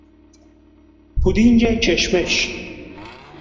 پودینگ کشمش